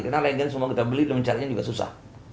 karena lain lain kita beli dan mencarinya juga susah